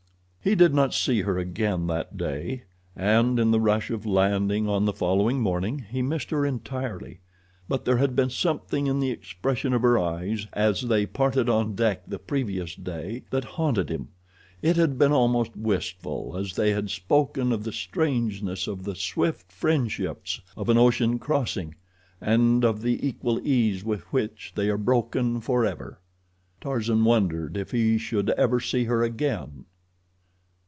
He did not see her again that day, and in the rush of landing on the following morning he missed her entirely, but there had been something in the expression of her eyes as they parted on deck the previous day that haunted him. It had been almost wistful as they had spoken of the strangeness of the swift friendships of an ocean crossing, and of the equal ease with which they are broken forever. Tarzan wondered if he should ever see her again.